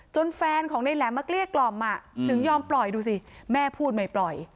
แฟนของในแหลมมาเกลี้ยกล่อมถึงยอมปล่อยดูสิแม่พูดไม่ปล่อย